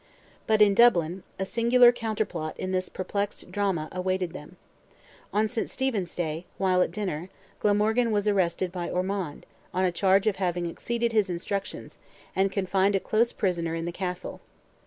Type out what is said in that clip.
But in Dublin a singular counterplot in this perplexed drama awaited them. On St. Stephen's day, while at dinner, Glamorgan was arrested by Ormond, on a charge of having exceeded his instructions, and confined a close prisoner in the castle.